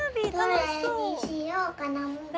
どれにしようかな。